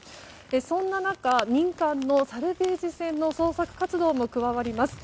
そんな中、民間のサルベージ船の捜索活動も加わります。